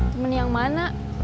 temen yang mana